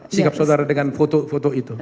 sikap saudara dengan foto foto itu